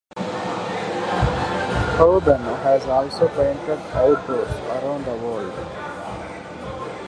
Hauben has also painted outdoors around the world.